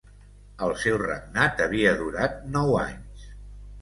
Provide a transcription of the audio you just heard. El seu regnat havia durat nou anys.